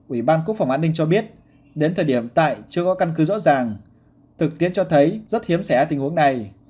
ủy ban quốc phòng an ninh cho biết đến thời điểm tại chưa có căn cứ rõ ràng thực tiễn cho thấy rất hiếm xẻ tình huống này